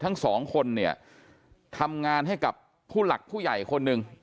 ทั้งสองคนเนี่ยทำงานให้กับผู้หลักผู้ใหญ่คนหนึ่ง